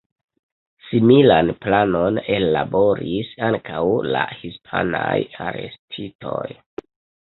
Similan planon ellaboris ankaŭ la hispanaj arestitoj.